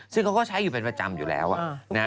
ซึ่งเขาก็ใช้อยู่เป็นประจำอยู่แล้ว